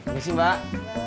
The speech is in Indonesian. ini sih mbak